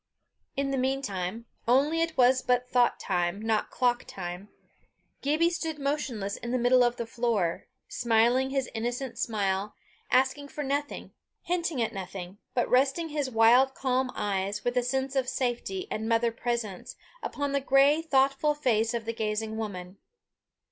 In the mean time only it was but thought time, not clock time Gibbie stood motionless in the middle of the floor, smiling his innocent smile, asking for nothing, hinting at nothing, but resting his wild calm eyes, with a sense of safety and mother presence, upon the grey thoughtful face of the gazing woman.